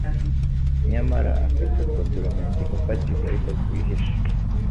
nyamara afite utwo turemangingo fatizo ariko twihishe.